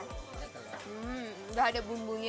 hmm sudah ada bumbunya